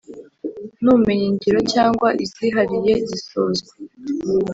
N ubumenyingiro cyangwa izihariye zisozwa